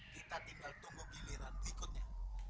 kita tinggal tunggu giliran berikutnya